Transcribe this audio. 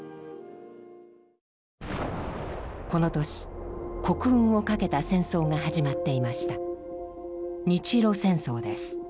この年国運を懸けた戦争が始まっていました。